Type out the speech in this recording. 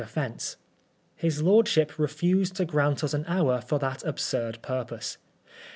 61 defence. His lordship refused to grant ns an honr for that absurd purpose.